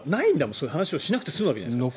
そういう話をしなくて済むわけじゃないですか。